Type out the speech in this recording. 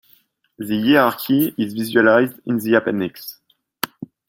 The hierarchy is visualized in the appendix.